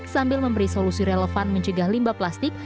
sambil memberi solusi relevan mencegah limbah plastik